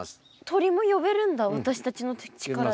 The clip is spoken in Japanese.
鳥も呼べるんだ私たちの力で？